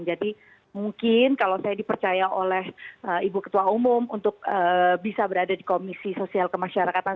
jadi mungkin kalau saya dipercaya oleh ibu ketua umum untuk bisa berada di komisi sosial kemasyarakatan